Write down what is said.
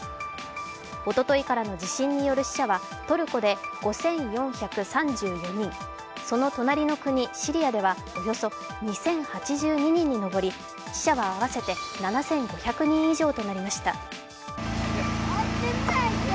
おとといからの地震による死者はトルコで５４３４人、その隣の国シリアではおよそ２０８２人に上り死者は合わせて７５００人以上となりました。